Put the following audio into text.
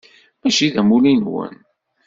Mačči d amulli-nwen.